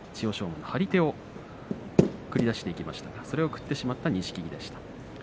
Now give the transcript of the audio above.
馬も張り手を繰り出していきましたが、それを食ってしまった錦木でした。